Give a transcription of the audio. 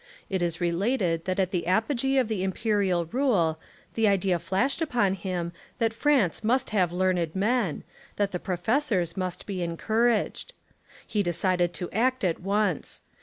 It is related that at the apogee of the Imperial rule, the idea flashed upon him that France must have learned men, that the professors must be encouraged. He decided to act at once.